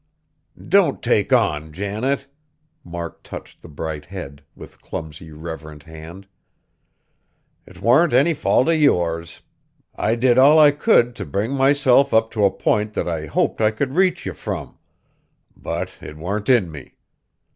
"Don't take on, Janet!" Mark touched the bright head, with clumsy, reverent hand, "'t warn't any fault of yours. I did all I could t' bring myself up to a p'int that I hoped I could reach you frum but 't warn't in me.